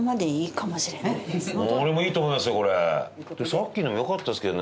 さっきのも良かったですけどね。